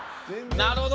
なるほど！